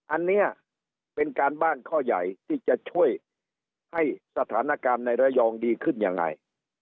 อันนี้เป็นการบ้านข้อใหญ่ที่จะช่วยให้สถานการณ์ในระยองดีขึ้นยังไง